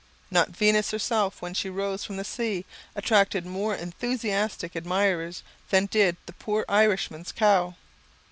Not Venus herself, when she rose from the sea, attracted more enthusiastic admirers than did the poor Irishman's cow.